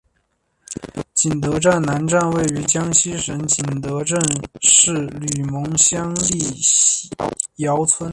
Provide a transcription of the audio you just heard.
景德镇南站位于江西省景德镇市吕蒙乡历尧村。